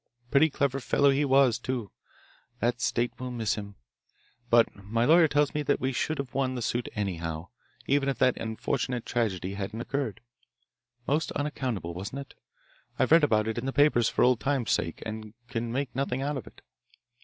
Pretty clever fellow he was, too. The state will miss him, but my lawyer tells me that we should have won the suit anyhow, even if that unfortunate tragedy hadn't occurred. Most unaccountable, wasn't it? I've read about it in the papers for old time's sake, and can make nothing out of it."